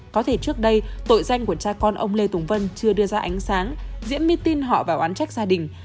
có thể trước đây tội danh của cha con ông lê tùng vân chưa đưa ra ánh sáng diễm my tin họ vào án trách gia đình